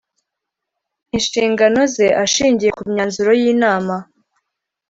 inshingano ze ashingiye ku myanzuro y inama